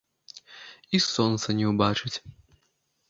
І сонца не ўбачыць.